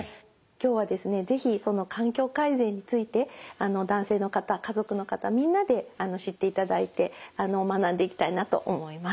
今日はですね是非その環境改善について男性の方家族の方みんなで知っていただいて学んでいきたいなと思います。